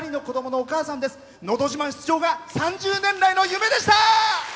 「のど自慢」出場が３０年来の夢でした。